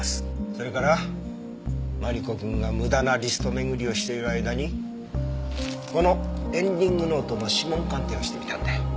それからマリコくんが無駄なリスト巡りをしている間にこのエンディングノートの指紋鑑定をしてみたんだよ。